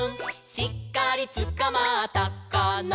「しっかりつかまったかな」